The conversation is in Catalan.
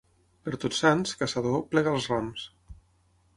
Per Tots Sants, caçador, plega els rams.